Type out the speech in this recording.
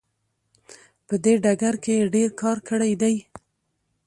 په دې ډګر کې یې ډیر کار کړی دی.